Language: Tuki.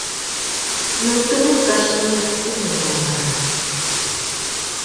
Nnú tunu kachimú u mù bàmbàra.